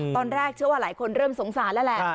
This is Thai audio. ตอนแรกเชื่อว่าหลายคนเริ่มสงสารแล้วแหละ